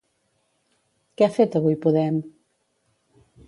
Què ha fet avui Podem?